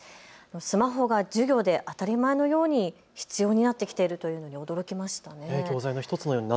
スマホが授業で当たり前のように必要になってきているというのは驚きましたね。